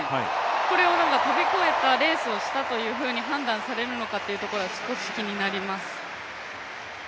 これは跳び越えたレースをしたというふうに判断されるのかどうか少し気になります。